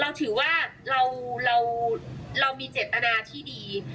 เราถือว่าเรามีเจตนาที่ดี